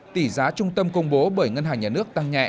tỷ giá trung tâm công bố bởi ngân hàng nhà nước tăng nhẹ